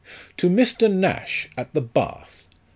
" To MR. NASH, at the Bath.